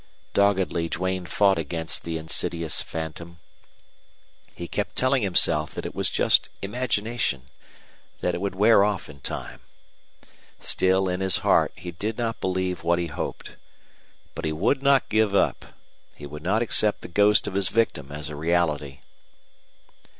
Doggedly Duane fought against the insidious phantom. He kept telling himself that it was just imagination, that it would wear off in time. Still in his heart he did not believe what he hoped. But he would not give up; he would not accept the ghost of his victim as a reality.